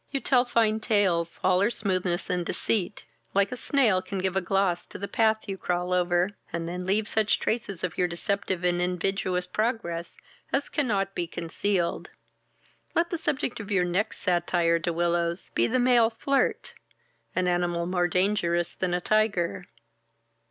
You tell fine tales, are all smoothness and deceit, like a snail can give a gloss to the path you crawl over, and then leave such traces of your deceptive and invidious progress as cannot be concealed. Let the subject of your next satire, De Willows, be the male flirt, an animal more dangerous than a tyger."